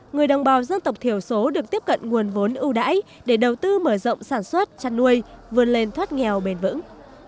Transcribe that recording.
người đồng bào dân tộc thiểu số được tiếp cận nguồn vốn ưu đãi để đầu tư mở rộng sản xuất chăn nuôi vươn lên thoát nghèo bền vững